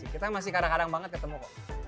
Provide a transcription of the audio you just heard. kita masih kadang kadang banget ketemu kok